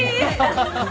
ハハハハ！